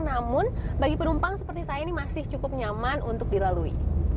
namun bagi penumpang seperti saya ini masih cukup nyaman untuk dilalui